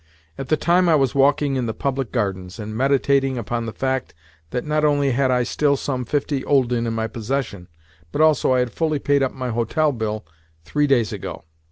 At the time I was walking in the public gardens, and meditating upon the fact that not only had I still some fifty gülden in my possession, but also I had fully paid up my hotel bill three days ago.